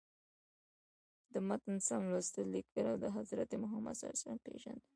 موخه: د متن سم لوستل، ليکل او د حضرت محمد ﷺ پیژندنه.